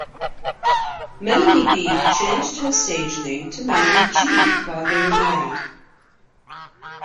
Melanie B changed her stage name to Melanie G while they were married.